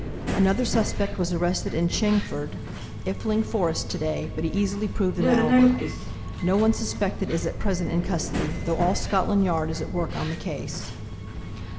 Another suspect was arrested at Chingford, (Efiling?) Forest, to day, but he easily proved an alibi. No one suspected is at present in custody, though all Scotland Yard is at work on the case.